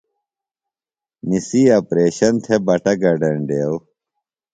نِسی اپریشن تھےۡ بٹہ گڈینڈیو۔